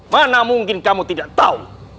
mana mungkin kamu tidak tahu